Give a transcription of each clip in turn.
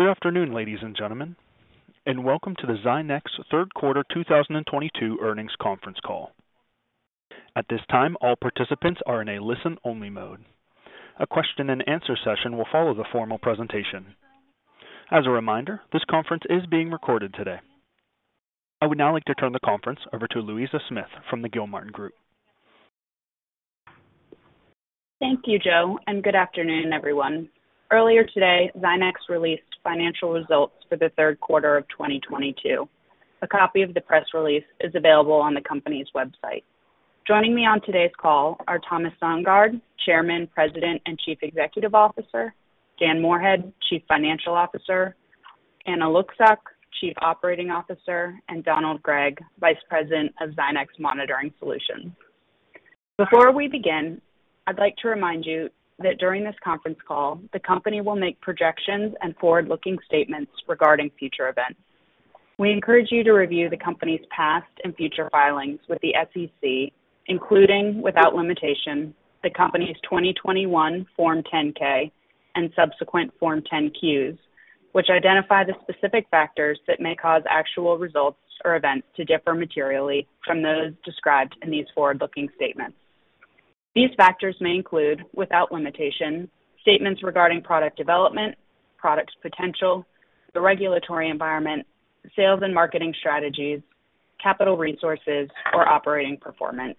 Good afternoon, ladies and gentlemen, and welcome to the Zynex third quarter 2022 earnings conference call. At this time, all participants are in a listen-only mode. A question and answer session will follow the formal presentation. As a reminder, this conference is being recorded today. I would now like to turn the conference over to Louisa Smith from the Gilmartin Group. Thank you, Joe, and good afternoon, everyone. Earlier today, Zynex released financial results for the third quarter of 2022. A copy of the press release is available on the company's website. Joining me on today's call are Thomas Sandgaard, Chairman, President, and Chief Executive Officer, Dan Moorhead, Chief Financial Officer, Anna Lucsok, Chief Operating Officer, and Donald Gregg, Vice President of Zynex Monitoring Solutions. Before we begin, I'd like to remind you that during this conference call, the company will make projections and forward-looking statements regarding future events. We encourage you to review the company's past and future filings with the SEC, including without limitation, the company's 2021 Form 10-K and subsequent Form 10-Qs, which identify the specific factors that may cause actual results or events to differ materially from those described in these forward-looking statements. These factors may include, without limitation, statements regarding product development, product potential, the regulatory environment, sales and marketing strategies, capital resources or operating performance.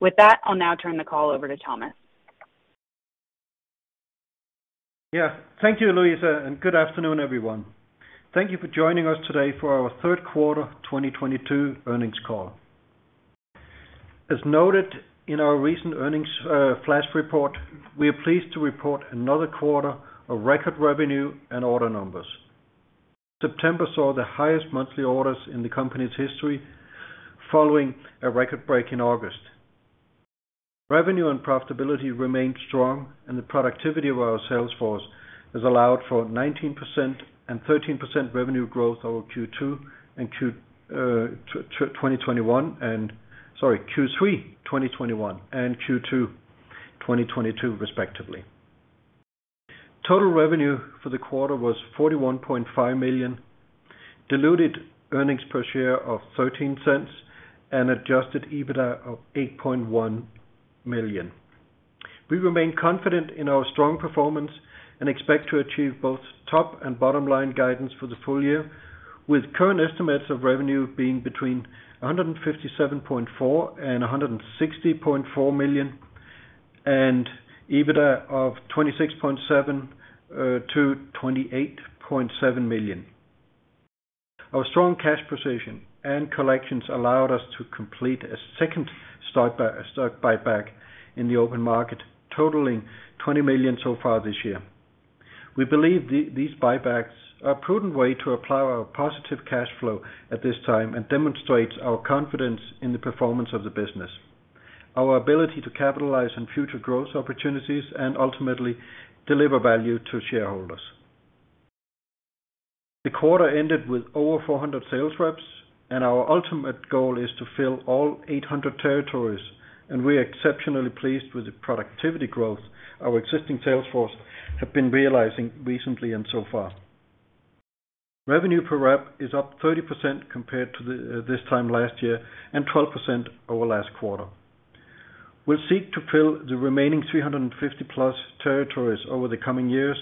With that, I'll now turn the call over to Thomas. Yeah. Thank you, Louisa, and good afternoon, everyone. Thank you for joining us today for our third quarter 2022 earnings call. As noted in our recent earnings flash report, we are pleased to report another quarter of record revenue and order numbers. September saw the highest monthly orders in the company's history following a record break in August. Revenue and profitability remained strong, and the productivity of our sales force has allowed for 19% and 13% revenue growth over Q3 2021 and Q2 2022, respectively. Total revenue for the quarter was $41.5 million, diluted earnings per share of $0.13, and adjusted EBITDA of $8.1 million. We remain confident in our strong performance and expect to achieve both top and bottom-line guidance for the full year, with current estimates of revenue being between $157.4 million and $160.4 million, and EBITDA of $26.7-$28.7 million. Our strong cash position and collections allowed us to complete a second stock buyback in the open market, totaling $20 million so far this year. We believe these buybacks are a prudent way to apply our positive cash flow at this time and demonstrates our confidence in the performance of the business, our ability to capitalize on future growth opportunities, and ultimately deliver value to shareholders. The quarter ended with over 400 sales reps, and our ultimate goal is to fill all 800 territories, and we are exceptionally pleased with the productivity growth our existing sales force have been realizing recently and so far. Revenue per rep is up 30% compared to this time last year and 12% over last quarter. We'll seek to fill the remaining 350+ territories over the coming years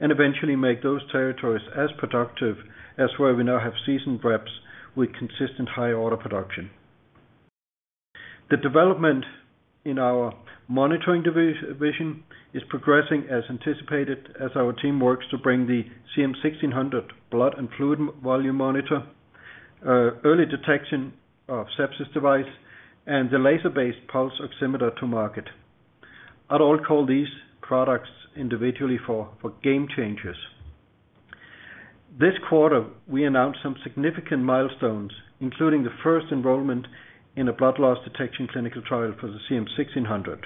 and eventually make those territories as productive as where we now have seasoned reps with consistent high order production. The development in our monitoring division is progressing as anticipated as our team works to bring the CM-1600 blood and fluid volume monitor, early detection of sepsis device, and the laser-based pulse oximeter to market. I'd call all these products individually game changers. This quarter, we announced some significant milestones, including the first enrollment in a blood loss detection clinical trial for the CM-1600.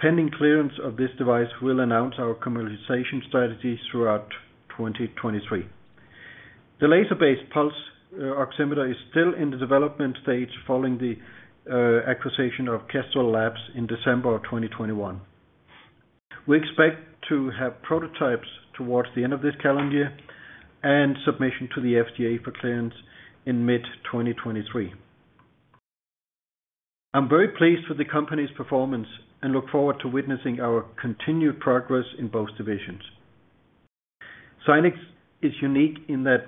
Pending clearance of this device, we'll announce our commercialization strategies throughout 2023. The laser-based pulse oximeter is still in the development stage following the acquisition of Kestrel Labs in December of 2021. We expect to have prototypes towards the end of this calendar year and submission to the FDA for clearance in mid-2023. I'm very pleased with the company's performance and look forward to witnessing our continued progress in both divisions. Zynex is unique in that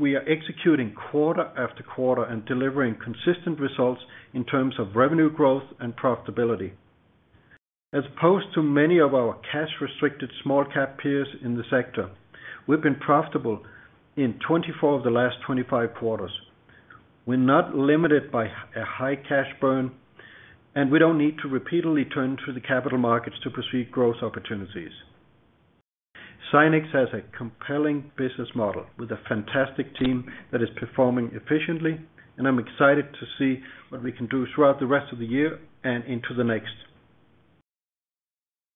we are executing quarter after quarter and delivering consistent results in terms of revenue growth and profitability. As opposed to many of our cash-restricted small cap peers in the sector, we've been profitable in 24 of the last 25 quarters. We're not limited by a high cash burn, and we don't need to repeatedly turn to the capital markets to pursue growth opportunities. Zynex has a compelling business model with a fantastic team that is performing efficiently, and I'm excited to see what we can do throughout the rest of the year and into the next.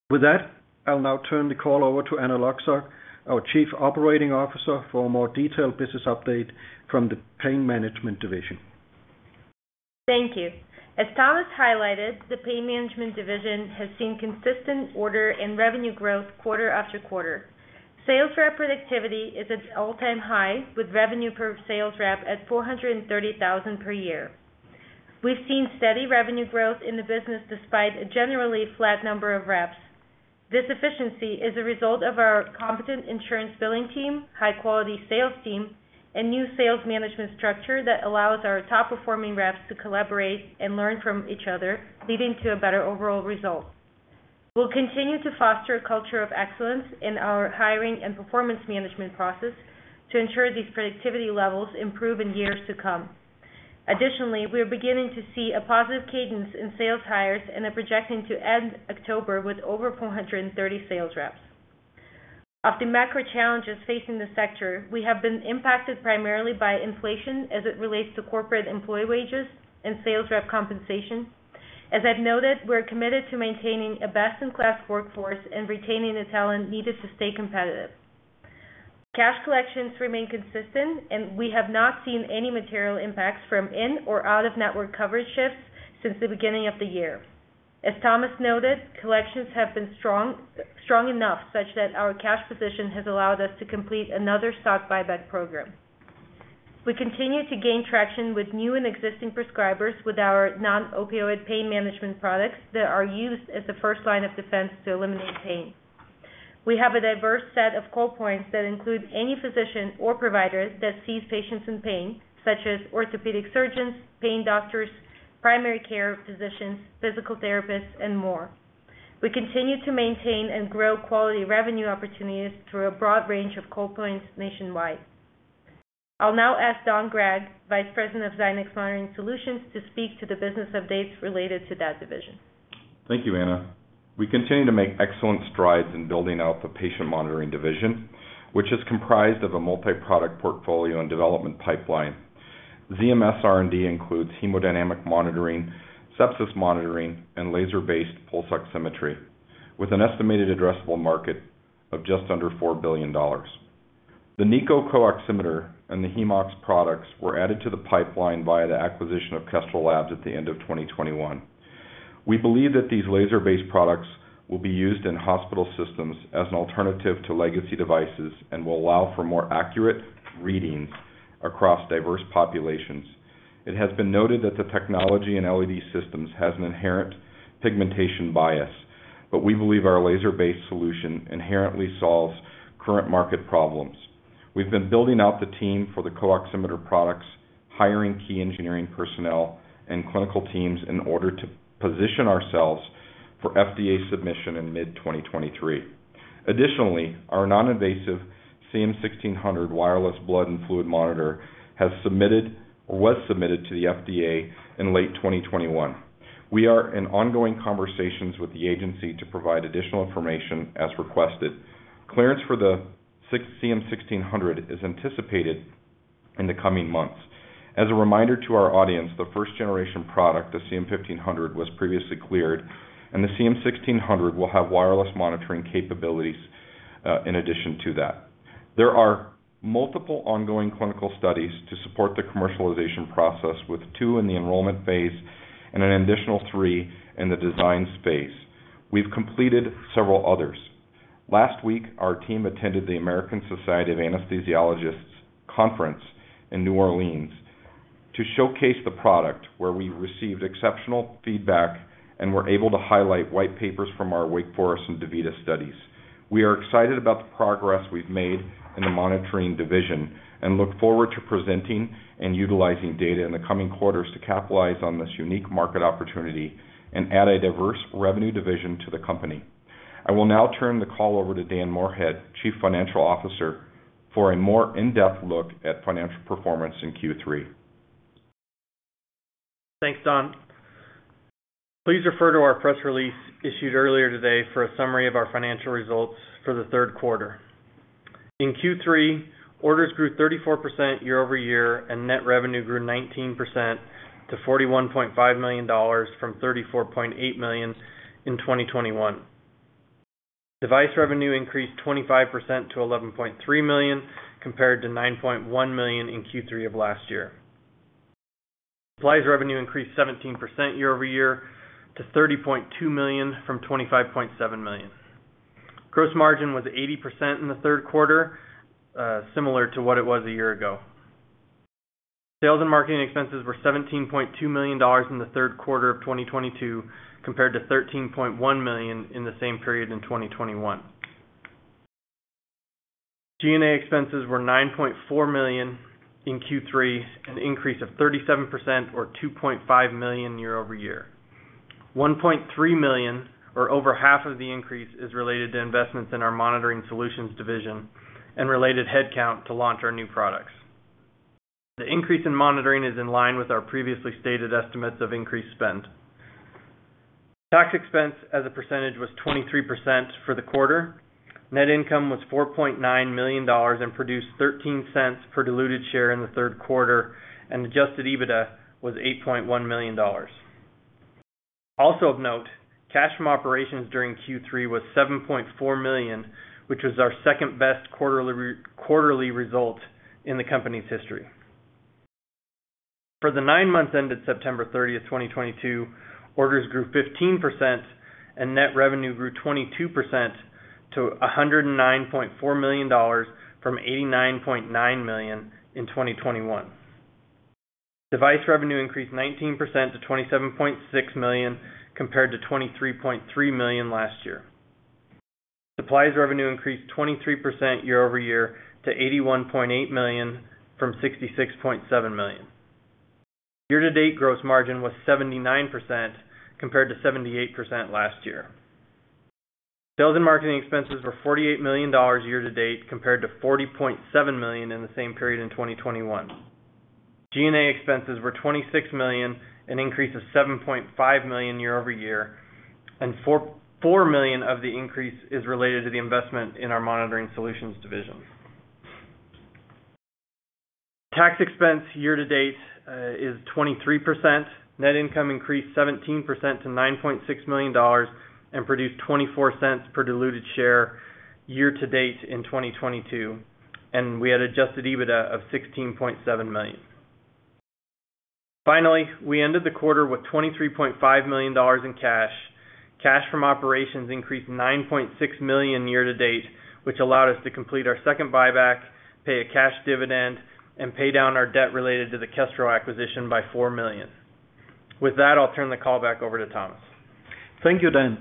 With that, I'll now turn the call over to Anna Lucsok, our Chief Operating Officer, for a more detailed business update from the pain management division. Thank you. As Thomas highlighted, the pain management division has seen consistent order and revenue growth quarter after quarter. Sales rep productivity is at an all-time high, with revenue per sales rep at $430,000 per year. We've seen steady revenue growth in the business despite a generally flat number of reps. This efficiency is a result of our competent insurance billing team, high quality sales team, and new sales management structure that allows our top performing reps to collaborate and learn from each other, leading to a better overall result. We'll continue to foster a culture of excellence in our hiring and performance management process to ensure these productivity levels improve in years to come. Additionally, we are beginning to see a positive cadence in sales hires and are projecting to end October with over 430 sales reps. Of the macro challenges facing the sector, we have been impacted primarily by inflation as it relates to corporate employee wages and sales rep compensation. As I've noted, we're committed to maintaining a best-in-class workforce and retaining the talent needed to stay competitive. Cash collections remain consistent, and we have not seen any material impacts from in or out of network coverage shifts since the beginning of the year. As Thomas noted, collections have been strong enough such that our cash position has allowed us to complete another stock buyback program. We continue to gain traction with new and existing prescribers with our non-opioid pain management products that are used as the first line of defense to eliminate pain. We have a diverse set of call points that include any physician or provider that sees patients in pain, such as orthopedic surgeons, pain doctors, primary care physicians, physical therapists, and more. We continue to maintain and grow quality revenue opportunities through a broad range of call points nationwide. I'll now ask Donald Gregg, Vice President of Zynex Monitoring Solutions, to speak to the business updates related to that division. Thank you, Anna. We continue to make excellent strides in building out the patient monitoring division, which is comprised of a multi-product portfolio and development pipeline. ZMS R&D includes hemodynamic monitoring, sepsis monitoring, and laser-based pulse oximetry, with an estimated addressable market of just under $4 billion. The NiCO CO-Oximeter and the HemeOx products were added to the pipeline via the acquisition of Kestrel Labs at the end of 2021. We believe that these laser-based products will be used in hospital systems as an alternative to legacy devices and will allow for more accurate readings across diverse populations. It has been noted that the technology in LED systems has an inherent pigmentation bias, but we believe our laser-based solution inherently solves current market problems. We've been building out the team for the NiCO CO-Oximeter products, hiring key engineering personnel and clinical teams in order to position ourselves for FDA submission in mid-2023. Additionally, our non-invasive CM-1600 wireless blood and fluid monitor was submitted to the FDA in late 2021. We are in ongoing conversations with the agency to provide additional information as requested. Clearance for the CM-1600 is anticipated in the coming months. As a reminder to our audience, the first generation product, the CM-1500, was previously cleared, and the CM-1600 will have wireless monitoring capabilities in addition to that. There are multiple ongoing clinical studies to support the commercialization process, with two in the enrollment phase and an additional three in the design space. We've completed several others. Last week, our team attended the American Society of Anesthesiologists conference in New Orleans to showcase the product where we received exceptional feedback and were able to highlight white papers from our Wake Forest and DaVita studies. We are excited about the progress we've made in the monitoring division and look forward to presenting and utilizing data in the coming quarters to capitalize on this unique market opportunity and add a diverse revenue division to the company. I will now turn the call over to Dan Moorhead, Chief Financial Officer, for a more in-depth look at financial performance in Q3. Thanks, Don. Please refer to our press release issued earlier today for a summary of our financial results for the third quarter. In Q3, orders grew 34% year-over-year, and net revenue grew 19% to $41.5 million from $34.8 million in 2021. Device revenue increased 25% to $11.3 million compared to $9.1 million in Q3 of last year. Supplies revenue increased 17% year-over-year to $30.2 million from $25.7 million. Gross margin was 80% in the third quarter, similar to what it was a year ago. Sales and marketing expenses were $17.2 million in the third quarter of 2022 compared to $13.1 million in the same period in 2021. G&A expenses were $9.4 million in Q3, an increase of 37% or $2.5 million year-over-year. $1.3 million, or over half of the increase, is related to investments in our monitoring solutions division and related headcount to launch our new products. The increase in monitoring is in line with our previously stated estimates of increased spend. Tax expense as a percentage was 23% for the quarter. Net income was $4.9 million and produced $0.13 per diluted share in the third quarter, and adjusted EBITDA was $8.1 million. Also of note, cash from operations during Q3 was $7.4 million, which was our second-best quarterly result in the company's history. For the nine months ended September 30, 2022, orders grew 15% and net revenue grew 22% to $109.4 million from $89.9 million in 2021. Device revenue increased 19% to $27.6 million compared to $23.3 million last year. Supplies revenue increased 23% year-over-year to $81.8 million from $66.7 million. Year-to-date gross margin was 79% compared to 78% last year. Sales and marketing expenses were $48 million year to date compared to $40.7 million in the same period in 2021. G&A expenses were $26 million, an increase of $7.5 million year-over-year, and $4 million of the increase is related to the investment in our Monitoring Solutions division. Tax expense year to date is 23%. Net income increased 17% to $9.6 million and produced $0.24 per diluted share year to date in 2022, and we had adjusted EBITDA of $16.7 million. Finally, we ended the quarter with $23.5 million in cash. Cash from operations increased $9.6 million year to date, which allowed us to complete our second buyback, pay a cash dividend, and pay down our debt related to the Kestrel acquisition by $4 million. With that, I'll turn the call back over to Thomas. Thank you, Dan.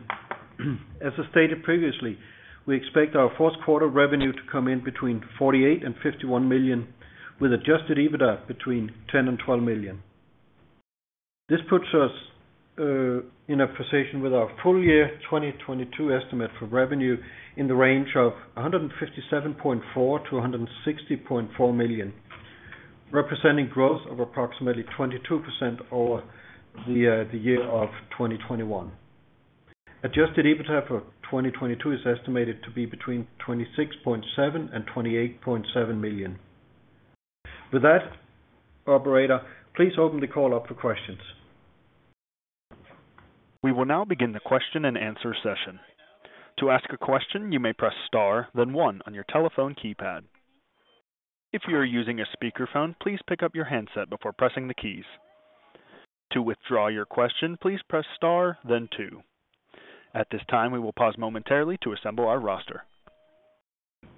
As I stated previously, we expect our fourth quarter revenue to come in between $48 million and $51 million, with adjusted EBITDA between $10 million and $12 million. This puts us in a position with our full year 2022 estimate for revenue in the range of $157.4 million-$160.4 million, representing growth of approximately 22% over the year of 2021. Adjusted EBITDA for 2022 is estimated to be between $26.7 million and $28.7 million. With that, operator, please open the call up for questions. We will now begin the question-and-answer session. To ask a question, you may press star, then one on your telephone keypad. If you are using a speakerphone, please pick up your handset before pressing the keys. To withdraw your question, please press star, then two. At this time, we will pause momentarily to assemble our roster.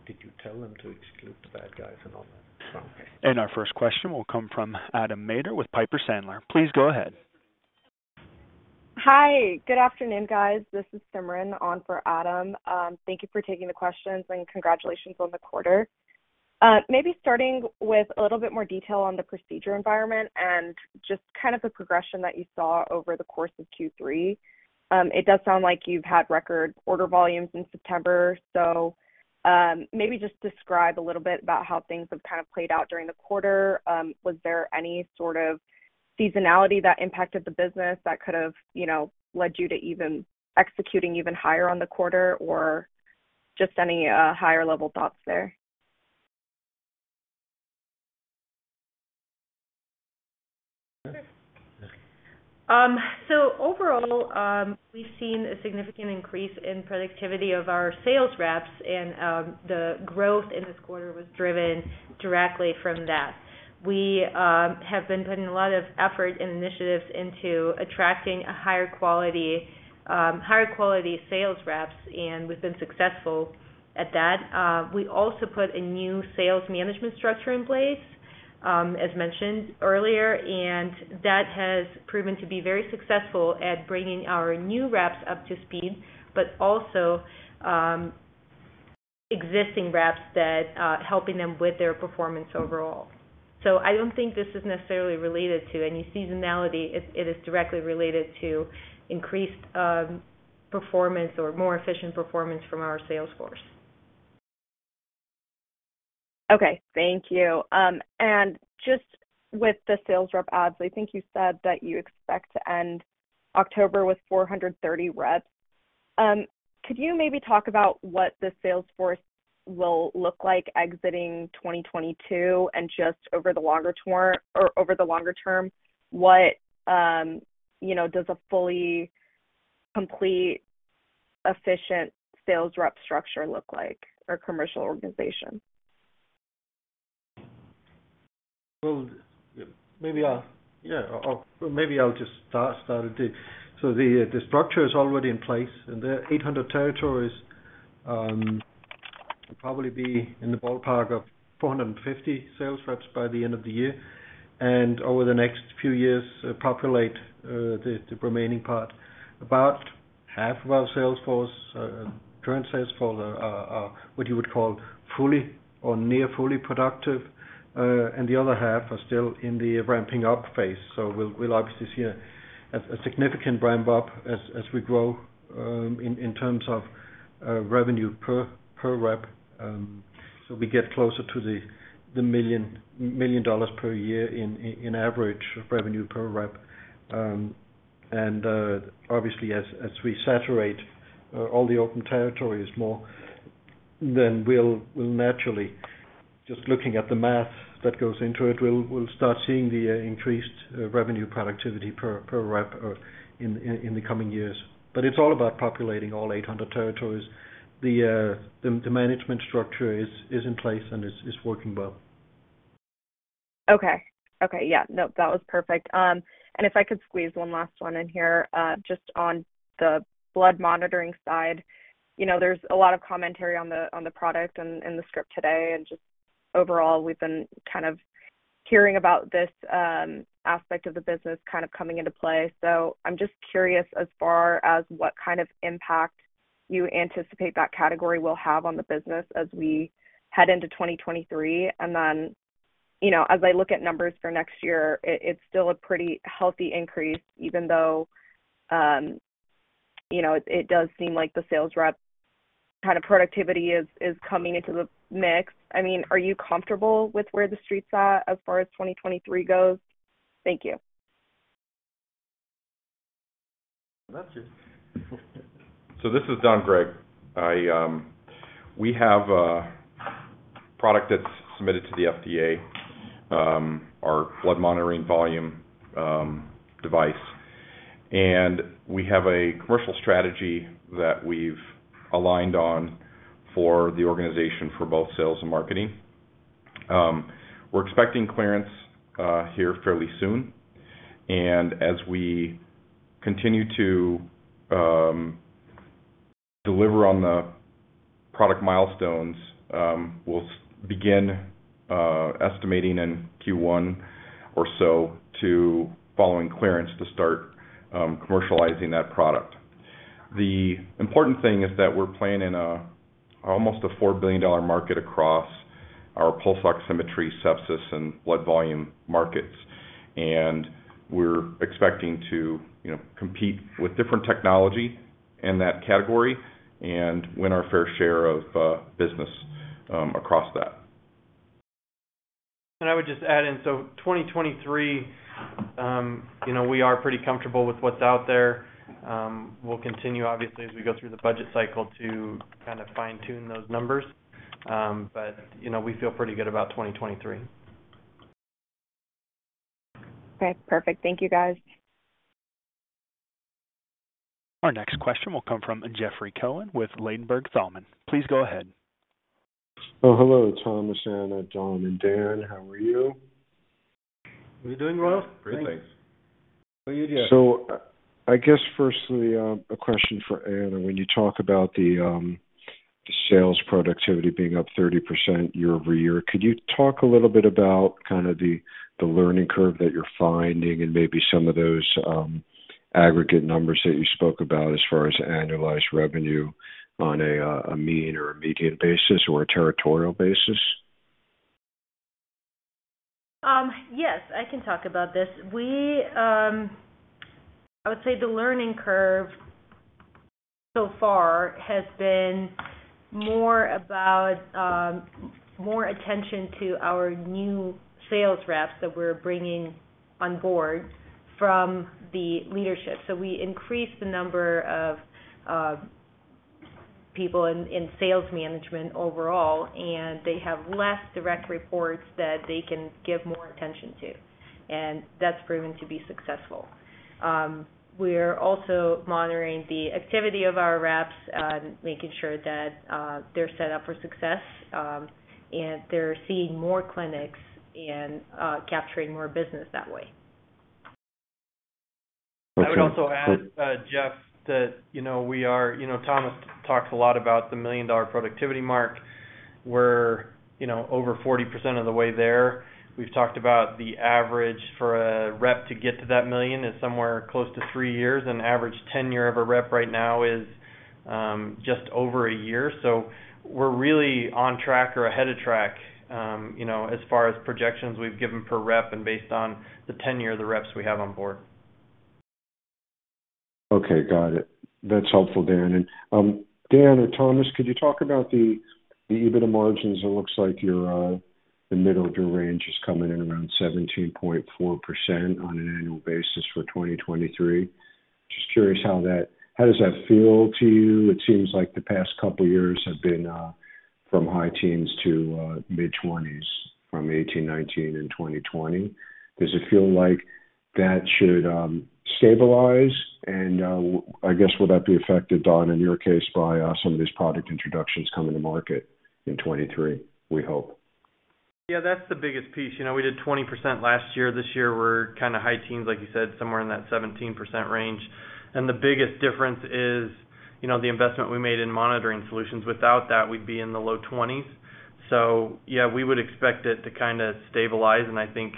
Did you tell them to exclude bad guys and all that? Okay. Our first question will come from Adam Maeder with Piper Sandler. Please go ahead. Hi. Good afternoon, guys. This is Simran on for Adam Maeder. Thank you for taking the questions and congratulations on the quarter. Maybe starting with a little bit more detail on the procedure environment and just kind of the progression that you saw over the course of Q3. It does sound like you've had record order volumes in September. Maybe just describe a little bit about how things have kind of played out during the quarter. Was there any sort of seasonality that impacted the business that could have, you know, led you to even executing even higher on the quarter or just any higher level thoughts there? Overall, we've seen a significant increase in productivity of our sales reps, and the growth in this quarter was driven directly from that. We have been putting a lot of effort and initiatives into attracting a higher quality sales reps, and we've been successful at that. We also put a new sales management structure in place, as mentioned earlier, and that has proven to be very successful at bringing our new reps up to speed, but also existing reps that helping them with their performance overall. I don't think this is necessarily related to any seasonality. It is directly related to increased performance or more efficient performance from our sales force. Okay. Thank you. Just with the sales rep adds, I think you said that you expect to end October with 430 reps. Could you maybe talk about what the sales force will look like exiting 2022 and just over the longer term, what, you know, does a fully complete efficient sales rep structure look like or commercial organization? Well, maybe I'll just start it. The structure is already in place, and the 800 territories will probably be in the ballpark of 450 sales reps by the end of the year. Over the next few years, populate the remaining part. About half of our current sales force are what you would call fully or near fully productive, and the other half are still in the ramping up phase. We'll obviously see a significant ramp-up as we grow in terms of revenue per rep. We get closer to the $1 million per year in average revenue per rep. Obviously as we saturate all the open territories more. Then we'll naturally, just looking at the math that goes into it, we'll start seeing the increased revenue productivity per rep or in the coming years. It's all about populating all 800 territories. The management structure is in place and is working well. Okay. Yeah. No, that was perfect. If I could squeeze one last one in here, just on the blood monitoring side. You know, there's a lot of commentary on the product and in the script today, and just overall, we've been kind of hearing about this aspect of the business kind of coming into play. I'm just curious as far as what kind of impact you anticipate that category will have on the business as we head into 2023. Then, you know, as I look at numbers for next year, it's still a pretty healthy increase even though, you know, it does seem like the sales rep kind of productivity is coming into the mix. I mean, are you comfortable with where the street's at as far as 2023 goes? Thank you. That's it. This is Don Gregg. We have a product that's submitted to the FDA, our blood volume monitoring device. We have a commercial strategy that we've aligned on for the organization for both sales and marketing. We're expecting clearance here fairly soon. As we continue to deliver on the product milestones, we'll begin estimating in Q1 or so following clearance to start commercializing that product. The important thing is that we're playing in almost a $4 billion market across our pulse oximetry, sepsis, and blood volume markets. We're expecting to, you know, compete with different technology in that category and win our fair share of business across that. I would just add in, 2023, you know, we are pretty comfortable with what's out there. We'll continue obviously as we go through the budget cycle to kind of fine-tune those numbers. You know, we feel pretty good about 2023. Okay. Perfect. Thank you, guys. Our next question will come from Jeffrey Cohen with Ladenburg Thalmann. Please go ahead. Oh, hello, Thomas, Anna, Don, and Dan. How are you? We're doing well. Great, thanks. How are you doing? I guess firstly, a question for Anna. When you talk about the sales productivity being up 30% year-over-year, could you talk a little bit about kind of the learning curve that you're finding and maybe some of those aggregate numbers that you spoke about as far as annualized revenue on a mean or a median basis or a territorial basis? Yes, I can talk about this. I would say the learning curve so far has been more about more attention to our new sales reps that we're bringing on board from the leadership. We increased the number of people in sales management overall, and they have less direct reports that they can give more attention to. That's proven to be successful. We are also monitoring the activity of our reps, making sure that they're set up for success, and they're seeing more clinics and capturing more business that way. Okay. I would also add, Jeff, that, you know, we are, you know, Thomas talks a lot about the million-dollar productivity mark. We're, you know, over 40% of the way there. We've talked about the average for a rep to get to that million is somewhere close to three years, and average tenure of a rep right now is, just over one year. We're really on track or ahead of track, you know, as far as projections we've given per rep and based on the tenure of the reps we have on board. Okay, got it. That's helpful, Dan. Dan or Thomas, could you talk about the EBITDA margins? It looks like the middle of your range is coming in around 17.4% on an annual basis for 2023. Just curious how that feels to you? It seems like the past couple years have been from high teens to mid-20s, from 18, 19 and 2020. Does it feel like that should stabilize? I guess, would that be affected, Don, in your case, by some of these product introductions coming to market in 2023, we hope? Yeah, that's the biggest piece. You know, we did 20% last year. This year we're kinda high teens, like you said, somewhere in that 17% range. The biggest difference is, you know, the investment we made in monitoring solutions. Without that, we'd be in the low 20s. Yeah, we would expect it to kinda stabilize, and I think,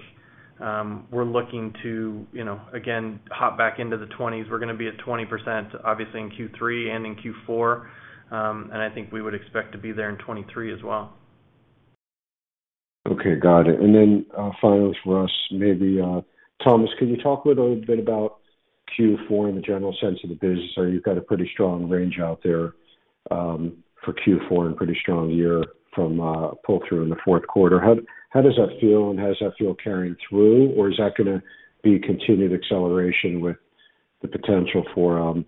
we're looking to, you know, again, hop back into the 20s. We're gonna be at 20% obviously in Q3 and in Q4. I think we would expect to be there in 2023 as well. Okay, got it. Final for us, maybe, Thomas, can you talk a little bit about Q4 in the general sense of the business? You've got a pretty strong range out there, for Q4 and pretty strong year from pull through in the fourth quarter. How does that feel, and how does that feel carrying through? Or is that gonna be continued acceleration with the potential for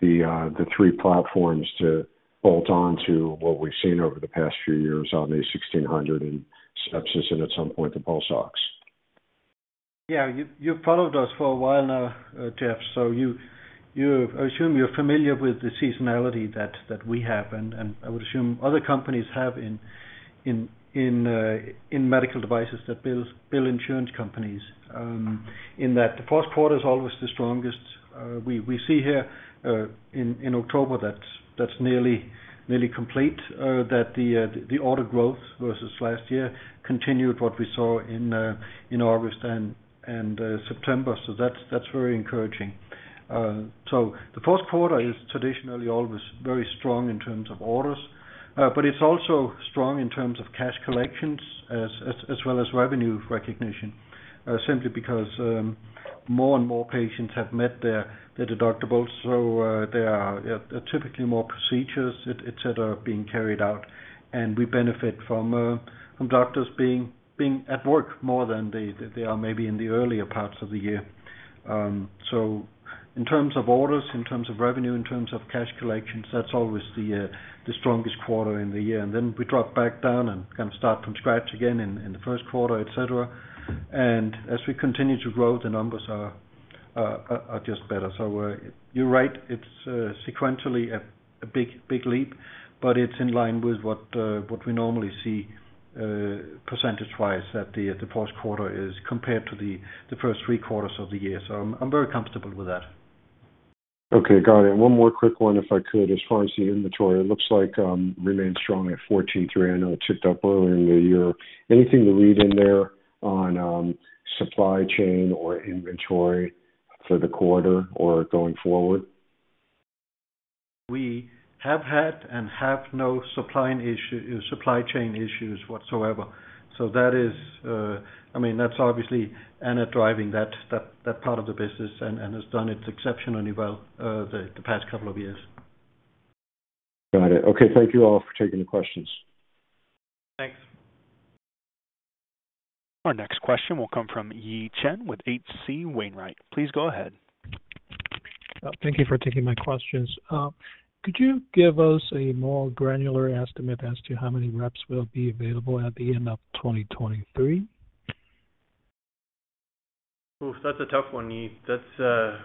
the three platforms to bolt on to what we've seen over the past few years on the 1600 in sepsis and at some point the pulse ox. Yeah. You've followed us for a while now, Jeffrey, so I assume you're familiar with the seasonality that we have, and I would assume other companies have in medical devices that bill insurance companies, in that the first quarter is always the strongest. We see here in October that that's nearly complete, that the order growth versus last year continued what we saw in August and September. That's very encouraging. The first quarter is traditionally always very strong in terms of orders, but it's also strong in terms of cash collections as well as revenue recognition, simply because more and more patients have met their deductible. There are typically more procedures, et cetera, being carried out, and we benefit from from doctors being at work more than they are maybe in the earlier parts of the year. In terms of orders, in terms of revenue, in terms of cash collections, that's always the the strongest quarter in the year. Then we drop back down and kind of start from scratch again in the first quarter, et cetera. As we continue to grow, the numbers are just better. You're right, it's sequentially a big leap, but it's in line with what what we normally see percentage-wise at the first quarter is compared to the first three quarters of the year. I'm very comfortable with that. Okay. Got it. One more quick one, if I could. As far as the inventory, it looks like remains strong at $14.3. I know it ticked up earlier in the year. Anything to read in there on supply chain or inventory for the quarter or going forward? We have had and have no supply chain issues whatsoever. That is, I mean, that's obviously Anna driving that part of the business and has done it exceptionally well, the past couple of years. Got it. Okay. Thank you all for taking the questions. Thanks. Our next question will come from Yi Chen with H.C. Wainwright. Please go ahead. Thank you for taking my questions. Could you give us a more granular estimate as to how many reps will be available at the end of 2023? Oof. That's a tough one, Yi. That's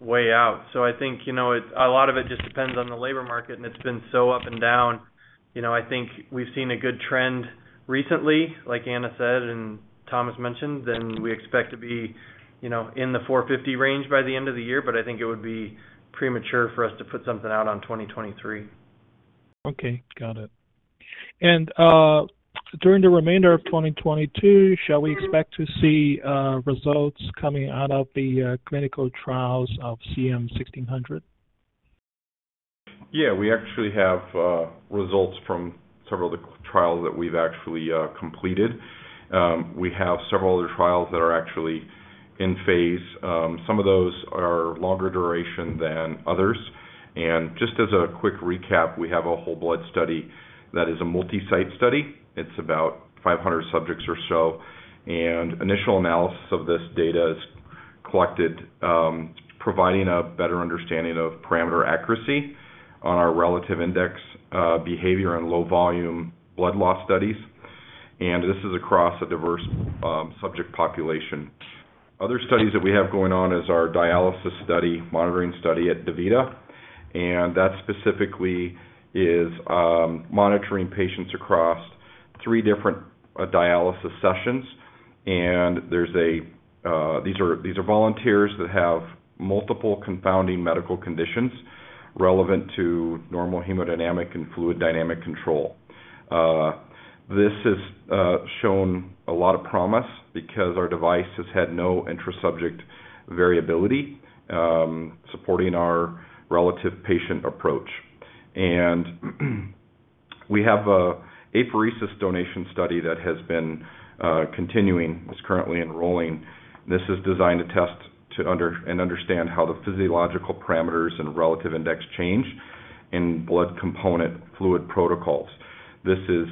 way out. I think, you know, a lot of it just depends on the labor market, and it's been so up and down. You know, I think we've seen a good trend recently, like Anna said, and Thomas mentioned, and we expect to be, you know, in the 450 range by the end of the year, but I think it would be premature for us to put something out on 2023. Okay. Got it. During the remainder of 2022, shall we expect to see results coming out of the clinical trials of CM-1600? Yeah. We actually have results from several of the trials that we've actually completed. We have several other trials that are actually in phase. Some of those are longer duration than others. Just as a quick recap, we have a whole blood study that is a multi-site study. It's about 500 subjects or so. Initial analysis of this data is collected, providing a better understanding of parameter accuracy on our relative index behavior and low volume blood loss studies. This is across a diverse subject population. Other studies that we have going on is our dialysis study, monitoring study at DaVita, and that specifically is monitoring patients across three different dialysis sessions. These are volunteers that have multiple confounding medical conditions relevant to normal hemodynamic and fluid dynamic control. This has shown a lot of promise because our device has had no intra-subject variability, supporting our relative patient approach. We have an apheresis donation study that has been continuing. It's currently enrolling. This is designed to test and understand how the physiological parameters and relative index change in blood component fluid protocols. This is,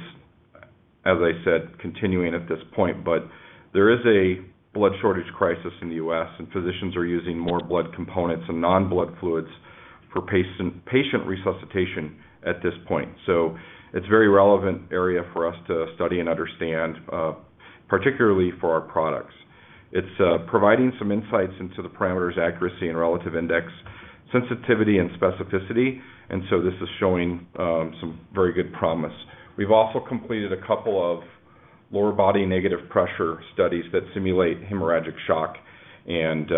as I said, continuing at this point, but there is a blood shortage crisis in the U.S., and physicians are using more blood components and non-blood fluids for patient resuscitation at this point. It's very relevant area for us to study and understand, particularly for our products. It's providing some insights into the parameters accuracy and relative index sensitivity and specificity. This is showing some very good promise. We've also completed a couple of lower body negative pressure studies that simulate hemorrhagic shock, and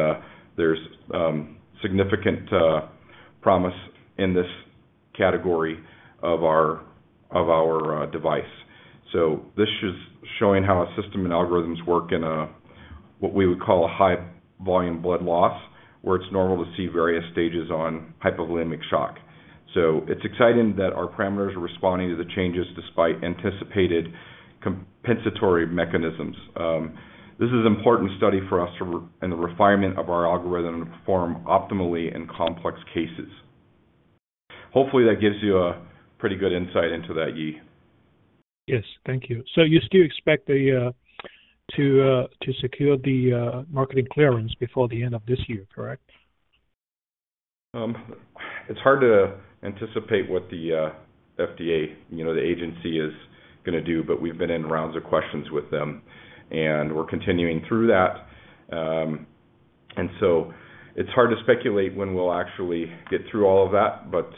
there's significant promise in this category of our device. This is showing how our system and algorithms work in a what we would call a high volume blood loss, where it's normal to see various stages of hypovolemic shock. It's exciting that our parameters are responding to the changes despite anticipated compensatory mechanisms. This is important study for us in the refinement of our algorithm to perform optimally in complex cases. Hopefully that gives you a pretty good insight into that, Yi. Yes. Thank you. You still expect to secure the marketing clearance before the end of this year, correct? It's hard to anticipate what the FDA, you know, the agency is gonna do, but we've been in rounds of questions with them, and we're continuing through that. It's hard to speculate when we'll actually get through all of that, but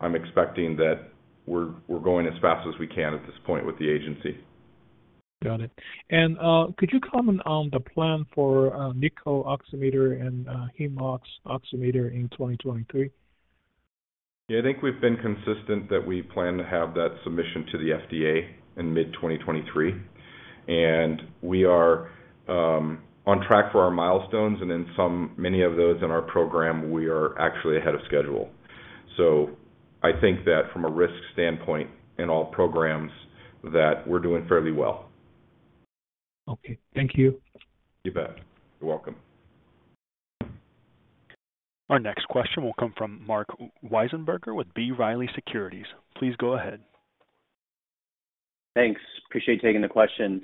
I'm expecting that we're going as fast as we can at this point with the agency. Got it. Could you comment on the plan for NiCO CO-Oximeter and HemeOx in 2023? Yeah. I think we've been consistent that we plan to have that submission to the FDA in mid-2023. We are on track for our milestones and in many of those in our program, we are actually ahead of schedule. I think that from a risk standpoint in all programs that we're doing fairly well. Okay. Thank you. You bet. You're welcome. Our next question will come from Marc Wiesenberger with B. Riley Securities. Please go ahead. Thanks. Appreciate you taking the questions.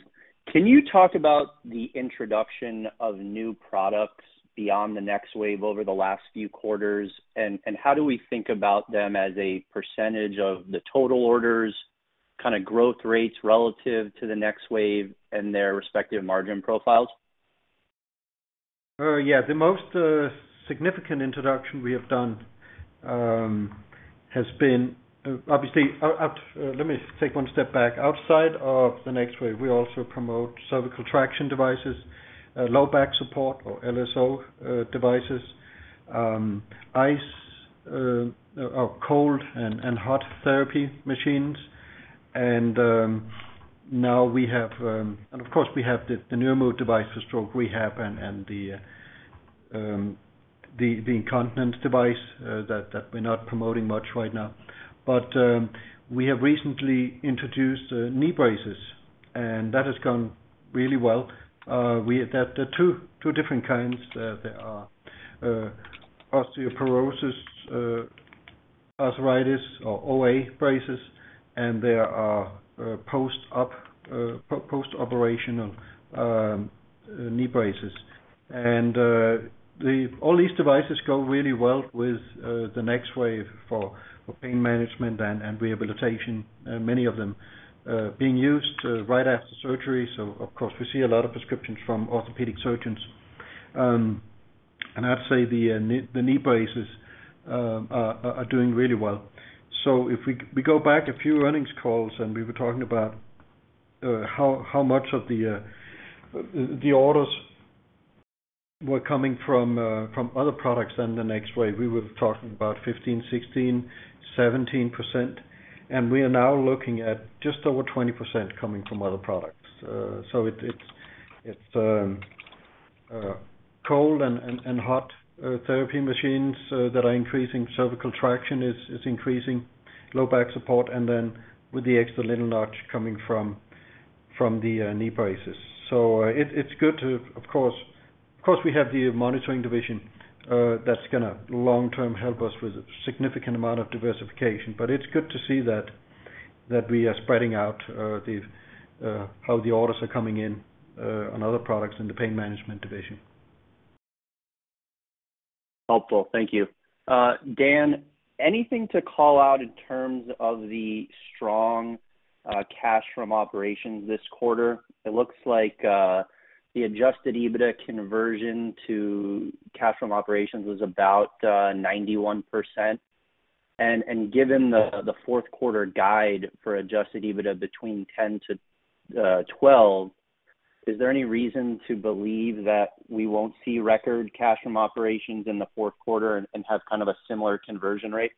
Can you talk about the introduction of new products beyond the NexWave over the last few quarters? How do we think about them as a percentage of the total orders, kind of growth rates relative to the NexWave and their respective margin profiles? Yeah. The most significant introduction we have done has been. Let me take one step back. Outside of the NexWave, we also promote cervical traction devices, low back support or LSO devices, ice or cold and hot therapy machines. Now we have the NeuroMove device for stroke rehab and the incontinence device that we're not promoting much right now. We have recently introduced knee braces, and that has gone really well. That there are two different kinds. There are osteoporosis, arthritis or OA braces, and there are post-op post-operational knee braces. All these devices go really well with the NexWave for pain management and rehabilitation. Many of them being used right after surgery. Of course, we see a lot of prescriptions from orthopedic surgeons. I'd say the knee braces are doing really well. If we go back a few earnings calls, we were talking about how much of the orders were coming from other products than the NexWave, we were talking about 15, 16, 17%, and we are now looking at just over 20% coming from other products. It's cold and hot therapy machines that are increasing. Cervical traction is increasing. Low back support and then with the extra little notch coming from the knee braces. It's good to, of course. Of course, we have the monitoring division, that's gonna long-term help us with a significant amount of diversification. But it's good to see that we are spreading out how the orders are coming in on other products in the pain management division. Helpful. Thank you. Dan, anything to call out in terms of the strong cash from operations this quarter? It looks like the adjusted EBITDA conversion to cash from operations was about 91%. Given the fourth quarter guide for adjusted EBITDA between 10-12, is there any reason to believe that we won't see record cash from operations in the fourth quarter and have kind of a similar conversion rate?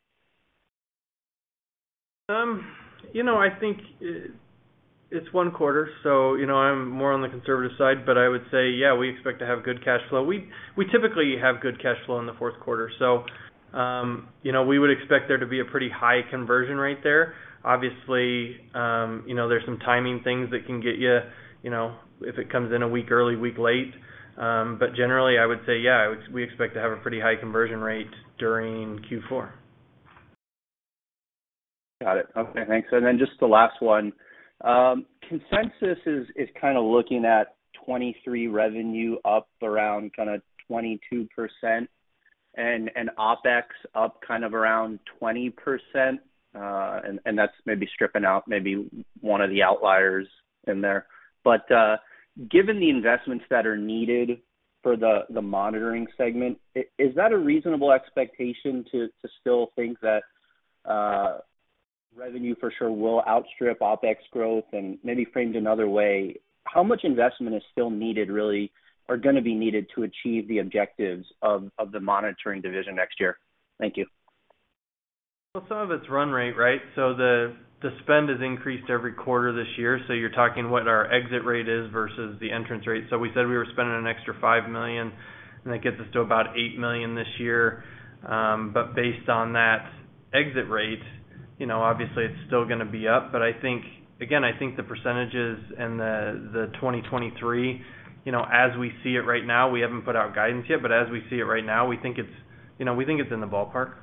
You know, I think it's one quarter, so, you know, I'm more on the conservative side, but I would say, yeah, we expect to have good cash flow. We typically have good cash flow in the fourth quarter. You know, we would expect there to be a pretty high conversion rate there. Obviously, you know, there's some timing things that can get you know, if it comes in a week early, a week late. But generally, I would say, yeah, we expect to have a pretty high conversion rate during Q4. Got it. Okay. Thanks. Just the last one. Consensus is kinda looking at 2023 revenue up around kinda 22% and OpEx up kind of around 20%. That's maybe stripping out maybe one of the outliers in there. Given the investments that are needed for the monitoring segment, is that a reasonable expectation to still think that revenue for sure will outstrip OpEx growth? Maybe framed another way, how much investment is still needed, really, or gonna be needed to achieve the objectives of the monitoring division next year? Thank you. Well, some of it's run rate, right? The spend has increased every quarter this year. You're talking what our exit rate is versus the entrance rate. We said we were spending an extra $5 million, and that gets us to about $8 million this year. Based on that exit rate, you know, obviously, it's still gonna be up. I think again, I think the percentages and the 2023, you know, as we see it right now, we haven't put out guidance yet, but as we see it right now, we think it's, you know, we think it's in the ballpark.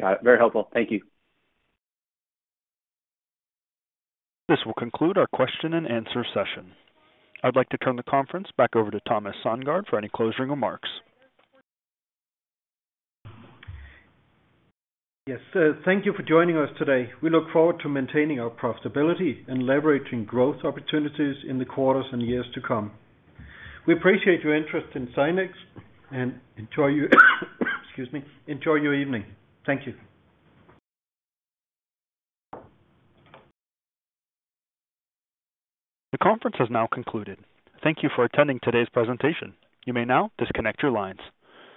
Got it. Very helpful. Thank you. This will conclude our question and answer session. I'd like to turn the conference back over to Thomas Sandgaard for any closing remarks. Yes. Thank you for joining us today. We look forward to maintaining our profitability and leveraging growth opportunities in the quarters and years to come. We appreciate your interest in Zynex and enjoy your evening. Thank you. The conference has now concluded. Thank you for attending today's presentation. You may now disconnect your lines.